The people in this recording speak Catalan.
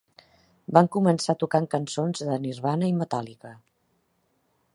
Van començar tocant cançons de Nirvana i Metallica.